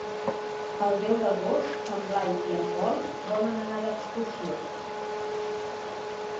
El deu d'agost en Blai i en Pol volen anar d'excursió.